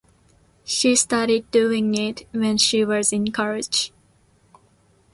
She started doing it when she was in college.